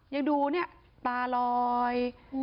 ยังดูนะตรารอย